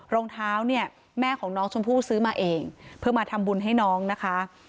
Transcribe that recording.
รองเท้าเนี่ยแม่ของน้องชมพู่ซื้อมาเองเพื่อมาทำบุญให้น้องนะคะ